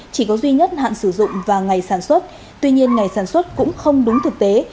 chỉ có duy nhất hạn sử dụng và ngày sản xuất tuy nhiên ngày sản xuất cũng không đúng thực tế